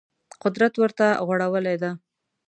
قدرت ورته غوړولې ده